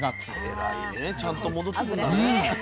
偉いねちゃんと戻ってくんだね。